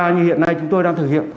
như hiện nay chúng tôi đang thực hiện